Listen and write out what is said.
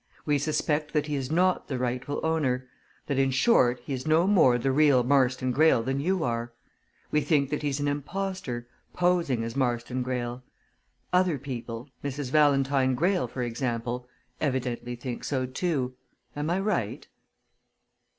We suspect that he is not the rightful owner that, in short, he is no more the real Marston Greyle than you are. We think that he's an impostor posing as Marston Greyle. Other people Mrs. Valentine Greyle, for example evidently think so, too. Am I right?"